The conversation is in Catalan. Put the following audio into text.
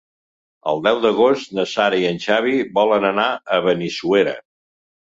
El deu d'agost na Sara i en Xavi volen anar a Benissuera.